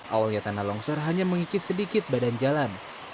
awalnya tanah longsor hanya mengikis sedikit badan jalan